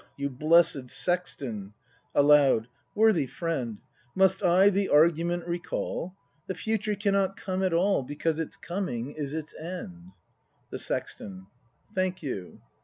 ] You blessed Sexton! [Aloud.] Worthy friend. Must I the argument recall ? The Future cannot come at all, Because its coming is its end. The Sexton. Thank you.